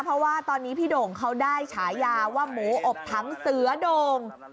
เพราะว่าตอนนี้พี่โด่งเขาได้ฉายาว่าหมูอบถังเสือโด่ง